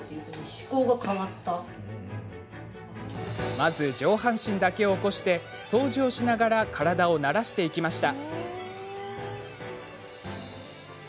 まず、上半身だけを起こして掃除をしながら体を慣らしていきました。